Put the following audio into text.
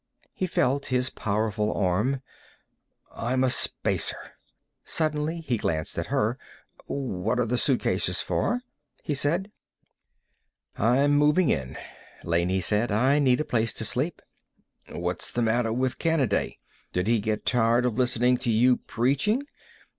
He felt his powerful arm. "I'm a Spacer." Suddenly he glanced at her. "What are the suitcases for?" he said. "I'm moving in," Laney said. "I need a place to sleep." "What's the matter with Kanaday? Did he get tired of listening to you preaching?